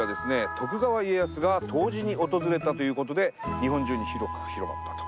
徳川家康が湯治に訪れたということで日本中に広く広まったと。